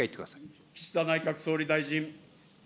岸田内閣総理大臣。